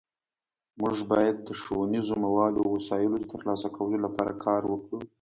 مونږ باید د ښوونیزو موادو او وسایلو د ترلاسه کولو لپاره کار وکړو